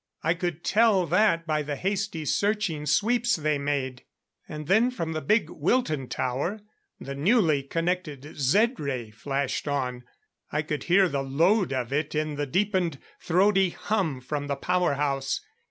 I could tell that by the hasty searching sweeps they made. And then from the big Wilton tower, the newly connected Zed ray flashed on, I could hear the load of it in the deepened, throaty hum from the power house.